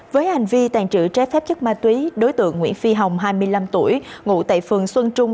với hành vi tàn trữ trái phép chất ma túy đối tượng nguyễn phi hồng hai mươi năm tuổi ngụ tại phường xuân trung